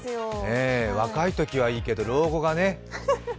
若いときはいいけど、老後がね。